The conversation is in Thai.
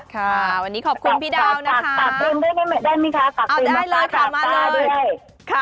ค่ะวันนี้ขอบคุณพี่ดาวนะคะ